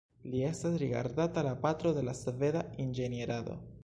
Li estas rigardata la patro de la sveda inĝenierado.